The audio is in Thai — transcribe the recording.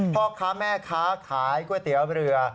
พ่อค้าแม่ค้าขายก๋วยเตี๋ยวเรือ